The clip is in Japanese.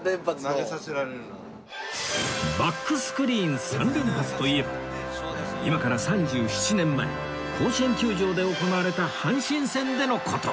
バックスクリーン３連発といえば今から３７年前甲子園球場で行われた阪神戦での事